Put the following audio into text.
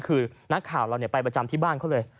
คือนักข่าวเราไปประจำที่บ้านเขาเลย